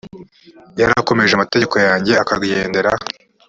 yarakomeje amategeko yanjye akagendera